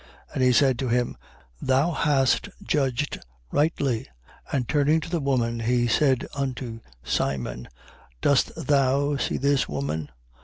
And he said to him: Thou hast judged rightly. 7:44. And turning to the woman, he said unto Simon: Dost thou see this woman?